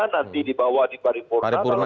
nanti dibawa di paripurna